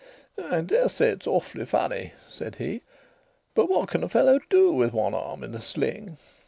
"I daresay it's awfully funny," said he. "But what can a fellow do with one arm in a sling?"